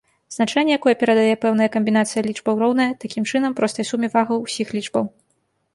Значэнне, якое перадае пэўная камбінацыя лічбаў, роўнае, такім чынам, простай суме вагаў усіх лічбаў.